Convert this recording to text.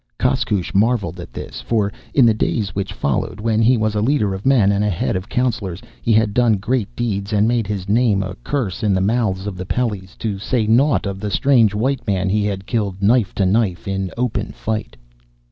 Koskoosh marvelled at this, for in the days which followed, when he was a leader of men and a head of councillors, he had done great deeds and made his name a curse in the mouths of the Pellys, to say naught of the strange white man he had killed, knife to knife, in open fight.